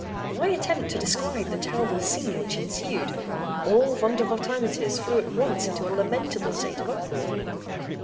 Why attempt to describe the terrible scene which ensued? All Vondervotteimittiss flew at once into a lamentable state of uproar.